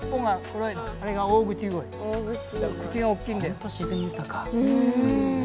ほんと自然豊かなんですね。